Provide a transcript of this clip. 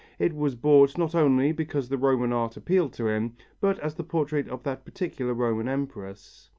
It was bought not only because the Roman art appealed to him but as the portrait of that particular Roman empress.